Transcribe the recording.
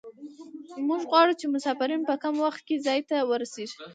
موږ غواړو چې مسافرین په کم وخت کې ځای ته ورسیږي